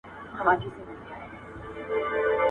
څه لاس تر منځ، څه غر تر منځ.